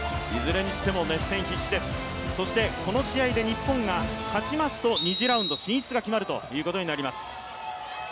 いずれにしても熱戦にしてこの試合で日本が勝ちますと２次ラウンド進出が決まるということになります。